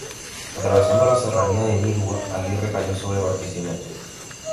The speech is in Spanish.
Atravesando la serranía de Nirgua, Aguirre cayó sobre Barquisimeto.